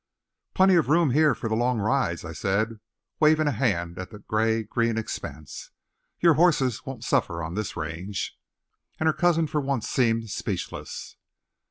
"Plenty of room here for the long rides," I said, waving a hand at the gray green expanse. "Your horses won't suffer on this range." She was delighted, and her cousin for once seemed speechless.